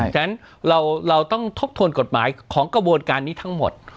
ฉะนั้นเราต้องทบทวนกฎหมายของกระบวนการนี้ทั้งหมด